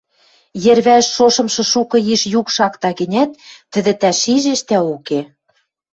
йӹрвӓш шошымшы шукы йиш юк шакта гӹнят, тӹдӹ тӓ шижеш, тӓ уке.